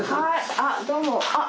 あどうも。